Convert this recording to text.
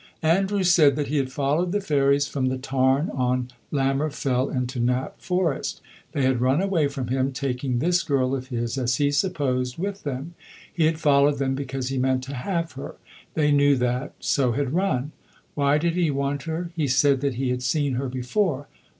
Andrew said that he had followed the fairies from the tarn on Lammer Fell into Knapp Forest. They had run away from him, taking this girl of his, as he supposed, with them. He had followed them because he meant to have her. They knew that, so had run. Why did he want her? He said that he had seen her before.